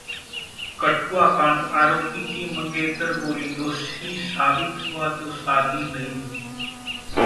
कठुआ कांड: आरोपी की मंगेतर बोली- दोषी साबित हुआ तो शादी नहीं